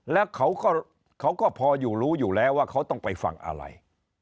แล้วเขาก็พออยู่รู้อยู่แล้วว่าเขาต้องไปฟังอะไร